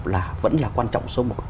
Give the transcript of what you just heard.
là vẫn là quan trọng số một